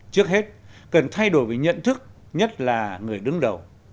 trước hết cần thay đổi về nhận thức nhất là người đứng đầu